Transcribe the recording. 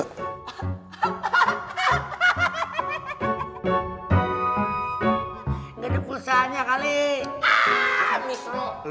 gak ada pulsanya kali